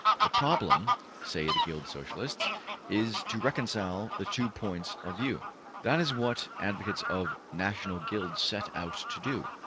``The problem,'' say the Guild Socialists, ``is to reconcile the two points of view. That is what advocates of National Guilds set out to do.